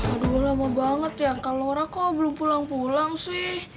aduh lama banget ya kalau orang kok belum pulang pulang sih